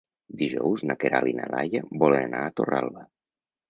Dijous na Queralt i na Laia volen anar a Torralba.